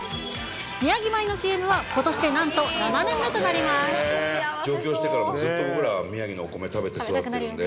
宮城米のＣＭは、上京してからも、ずっと僕らは宮城のお米食べて育ってるんで。